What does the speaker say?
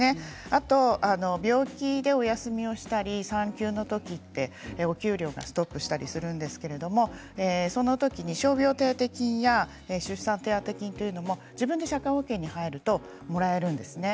あと病気でお休みをしたり産休のときはお給料がストップしたりするんですけれどそのときに傷病手当金や出産手当金というのも自分で社会保険に入るともらえるんですね。